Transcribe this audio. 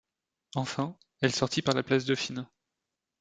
Enfin, elle sortit par la place Dauphine.